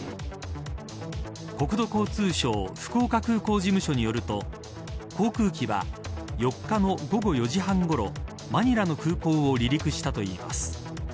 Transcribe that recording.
国土交通省福岡航空事務所によると航空機は、４日の午後４時半ごろマニラの空港を離陸したといいます。